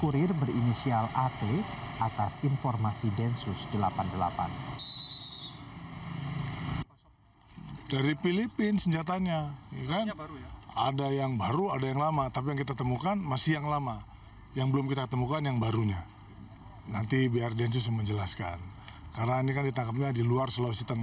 kurir berinisial at atas informasi densus delapan puluh delapan